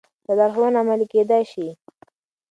دا لارښوونه عملي کېدای شي.